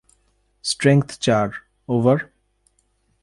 Strength চার, over.